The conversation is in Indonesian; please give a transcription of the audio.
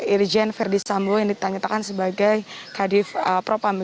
irjen ferdisambo yang ditanggitkan sebagai kadif propam